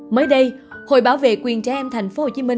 mới đây hội bảo vệ quyền trẻ em tp hcm đề nghị làm rõ trách nhiệm người cha